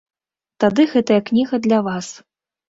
Тады гэтая кніга для вас.